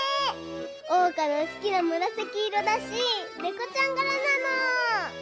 おうかのすきなむらさきいろだしネコちゃんがらなの！